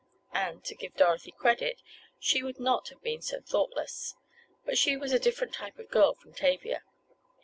And, to give Dorothy credit, she would not have been so thoughtless. But she was a different type of girl from Tavia.